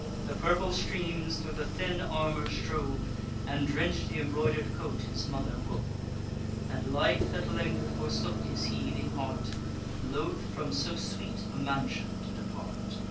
The purple streams thro' the thin armour strove, And drench'd th' imbroider'd coat his mother wove; And life at length forsook his heaving heart, Loth from so sweet a mansion to depart.